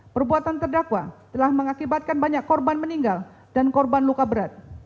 perbuatan terdakwa telah mengakibatkan banyak korban meninggal dan korban luka berat